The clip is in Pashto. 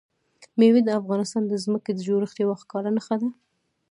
مېوې د افغانستان د ځمکې د جوړښت یوه ښکاره نښه ده.